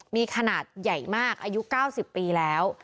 มีขนาดใหญ่มากอายุ๙๐ปีแล้ว